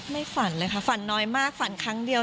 ฝันเลยค่ะฝันน้อยมากฝันครั้งเดียว